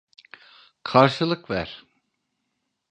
Karşılık ver.